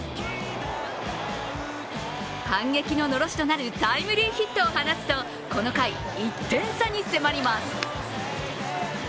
反撃ののろしとなるタイムリーヒットを放つと、この回１点差に迫ります。